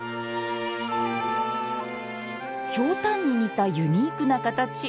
ひょうたんに似たユニークな形。